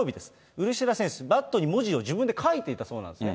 ウルシェラ選手、バットに自分で書いていたそうなんですね。